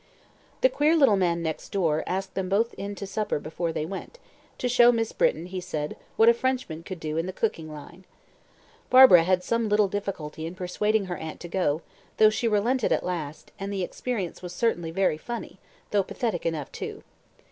The "queer little man next door" asked them both in to supper before they went, to show Miss Britton, he said, what a Frenchman could do in the cooking line. Barbara had some little difficulty in persuading her aunt to go, though she relented at last, and the experience was certainly very funny, though pathetic enough too.